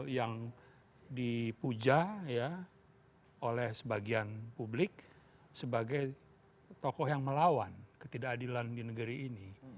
yang dipuja oleh sebagian publik sebagai tokoh yang melawan ketidakadilan di negeri ini